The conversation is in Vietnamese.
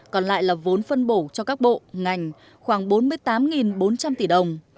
còn lại là vốn phân bổ cho các bộ ngành khoảng bốn mươi tám bốn trăm linh tỷ đồng